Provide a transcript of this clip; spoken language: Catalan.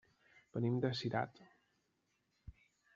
Venim de Cirat.